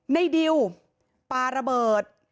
ในดิวปาระเบิด